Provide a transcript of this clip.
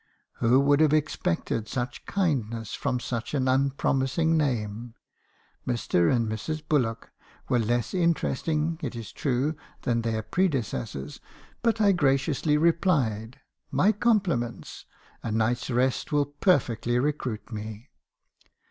"Who would have expected such kindness from such an unpromising name? Mr. and Mrs. Bullock were less interesting, it is true , than their predecessors ; but I graciously replied — u 4 My compliments; a night's rest will perfectly recruit me.'